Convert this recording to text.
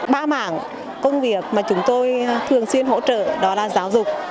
ba mảng công việc mà chúng tôi thường xuyên hỗ trợ đó là giáo dục